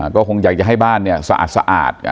ก็คงอยากจะให้บ้านเนี้ยสะอาดสะอาด